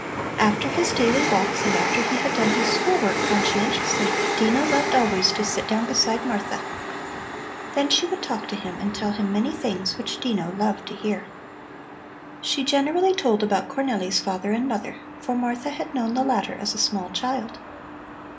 After his daily walks and after he had done his school work conscientiously, Dino loved always to sit down beside Martha. Then she would talk to him and tell him many things which Dino loved to hear. She generally told about Cornelli's father and mother, for Martha had known the latter as a small child.